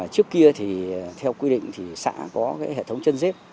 trước kia thì theo quy định thì xã có cái hệ thống chân dép